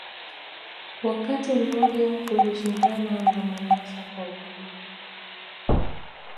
Wakati mmoja ulishindana na Mombasa kwa ukuu